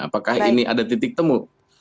apakah ini ada titik temu